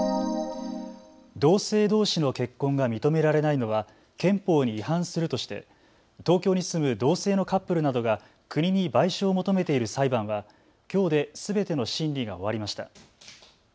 同性どうしの結婚が認められないのは憲法に違反するとして東京に住む同性のカップルなどが国に賠償を求めている裁判はきょうですべての審理が終わりました。